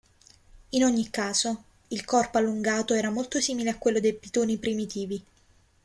In ogni caso, il corpo allungato era molto simile a quello dei pitoni primitivi.